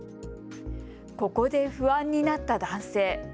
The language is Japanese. ここで不安になった男性。